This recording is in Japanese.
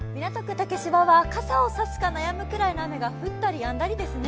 竹芝は傘を差すか悩むくらいの雨が降ったりやんだりですね。